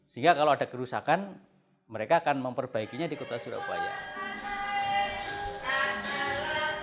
sehingga kalau ada kerusakan mereka akan memperbaikinya di kota surabaya